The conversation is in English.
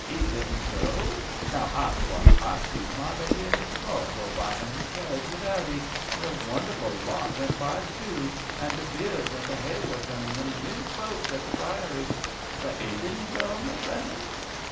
'Ee dedn't go? Now I thowt I zeed my lady and Miss Flora go by i' the carriage wi'out 'ee ; and a won derful lawt went by too ; the De Veres, and the Haywards, and them new folks at the Priory. But 'ee dedn't go. Miss Vernon